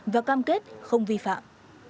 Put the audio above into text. và cam kết không vi phạm